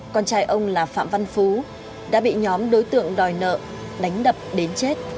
con trai ông là phạm văn phú đã bị nhóm đối tượng đòi nợ đánh đập đến chết